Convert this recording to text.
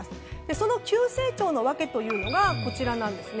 その急成長の訳というのがこちらなんですね。